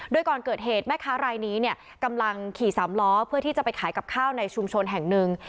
โดยก่อนเกิดเหตุแม่ค้ารายนี้เนี่ยกำลังขี่สามล้อเพื่อที่จะไปขายกับข้าวในชุมชนแห่งหนึ่ง